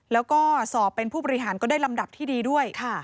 แล้วก็สอบเป็นผู้บริหารก็ได้ลำดับที่ดีด้วย